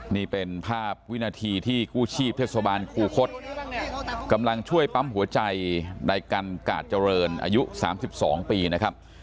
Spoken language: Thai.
นี่เป็นภาพวินาทีที่กู้ชีพเทศบาลคูคศกำลังช่วยปั๊มหัวใจในกันกาดเจริญอายุ๓๒ปีนะครับ